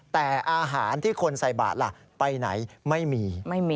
แต่อาหารที่คนใส่บาทล่ะไปไหนไม่มี